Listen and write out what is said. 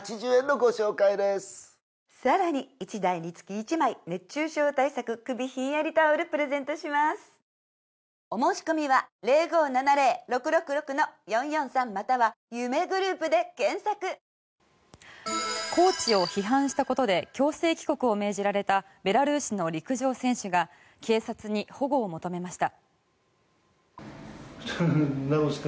一瞬たりとも目が離せないコーチを批判したことで強制帰国を命じられたベラルーシの陸上選手が警察に保護を求めました。